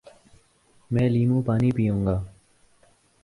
میں لیموں پانی پیوں گا